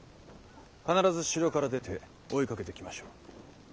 必ず城から出て追いかけてきましょう。